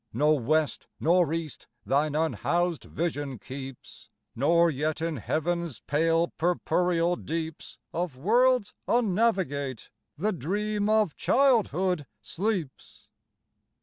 No west nor east thine unhoused vision keeps, Nor yet in heaven's pale purpureal deeps Of worlds unnavigate, the dream of childhood sleeps.